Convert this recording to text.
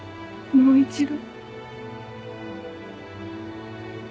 もう一度。